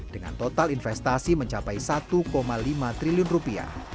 dengan total investasi mencapai satu lima triliun rupiah